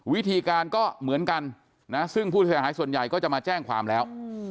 วิธีการก็เหมือนกันนะซึ่งผู้เสียหายส่วนใหญ่ก็จะมาแจ้งความแล้ว